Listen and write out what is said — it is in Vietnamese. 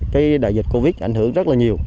cái đại dịch covid ảnh hưởng rất là nhiều